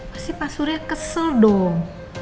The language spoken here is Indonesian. pasti pak surya kesel dong